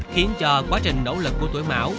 khiến cho quá trình nỗ lực của tuổi mảo